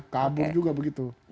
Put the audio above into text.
kabur juga begitu